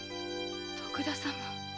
徳田様。